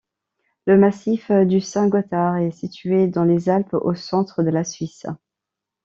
Le massif du Saint-Gothard est situé dans les Alpes au centre de la Suisse.